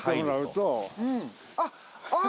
あっああ！